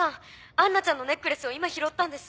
アンナちゃんのネックレスを今拾ったんです！